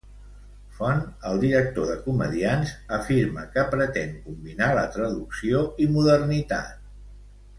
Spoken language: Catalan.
Font, el director de Comediants, afirma que pretén combinar traducció i modernitat.